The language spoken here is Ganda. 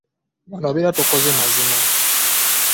Wano obeera tokoze mazima.